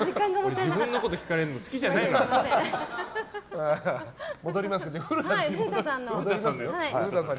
自分のこと聞かれるの好きじゃないのに。